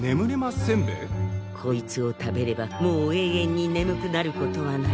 こいつを食べればもう永遠に眠くなることはない。